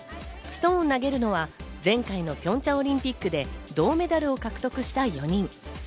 ストーンを投げるのは前回のピョンチャンオリンピックで銅メダルを獲得した４人。